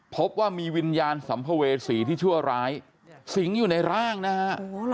พบว่ามีวิญญาณสัมภเวษีที่ชั่วร้ายสิงอยู่ในร่างนะฮะ